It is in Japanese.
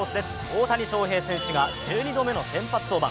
大谷翔平選手が１２度目の先発登板。